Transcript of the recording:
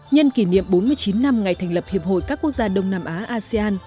nhân kỷ niệm bốn mươi chín năm ngày thành lập hiệp hội các quốc gia đông nam á asean